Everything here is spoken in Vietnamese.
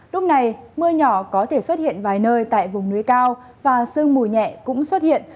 lúc này mưa nhỏ có thể xuất hiện vài nơi tại vùng núi cao và sương mù nhẹ cũng xuất hiện